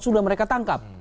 sudah mereka tangkap